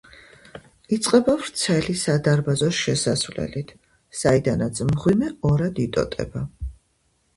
იწყება ვრცელი სადარბაზო შესასვლელით, საიდანაც მღვიმე ორად იტოტება.